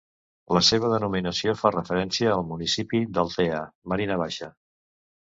La seva denominació fa referència al municipi d'Altea, Marina Baixa.